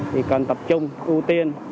thì cần tập trung ưu tiên